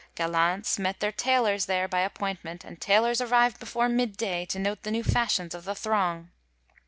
Gallants met their tailors there by appoint ment, and tailors arrived before midday to note the new fashions of the throng.